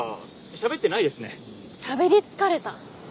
しゃべり疲れた。